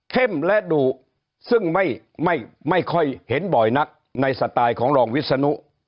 และดุซึ่งไม่ค่อยเห็นบ่อยนักในสไตล์ของรองวิศนุ